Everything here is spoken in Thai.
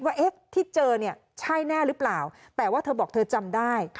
ว่าเอ๊ะที่เจอเนี่ยใช่แน่หรือเปล่าแต่ว่าเธอบอกเธอจำได้